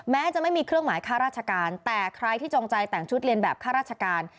จะไม่มีเครื่องหมายค่าราชการแต่ใครที่จงใจแต่งชุดเรียนแบบค่าราชการ